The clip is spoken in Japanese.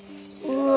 うわ！